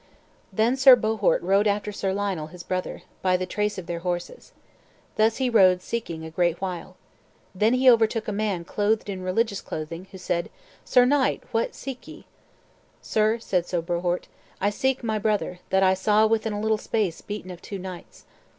Then Sir Bohort rode after Sir Lionel, his brother, by the trace of their horses. Thus he rode seeking, a great while. Then he overtook a man clothed in a religious clothing, who said, "Sir Knight, what seek ye?" "Sir," said Sir Bohort, "I seek my brother, that I saw within a little space beaten of two knights."